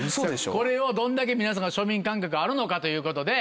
これをどんだけ皆さんが庶民感覚あるのかということで。